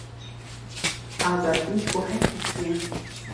Azadî ji bo her kesî ye.